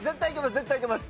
絶対いけます。